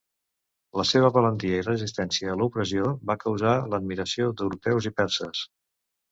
La seva valentia i resistència a l'opressió va causar l'admiració d'europeus i perses.